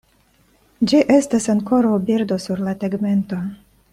Ĝi estas ankoraŭ birdo sur la tegmento.